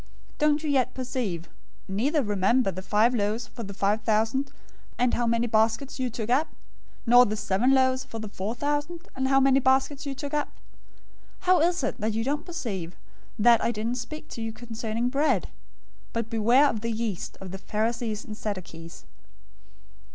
016:009 Don't you yet perceive, neither remember the five loaves for the five thousand, and how many baskets you took up? 016:010 Nor the seven loaves for the four thousand, and how many baskets you took up? 016:011 How is it that you don't perceive that I didn't speak to you concerning bread? But beware of the yeast of the Pharisees and Sadducees."